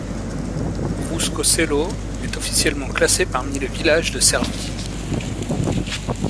Rusko Selo est officiellement classé parmi les villages de Serbie.